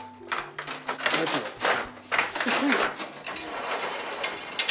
すごい。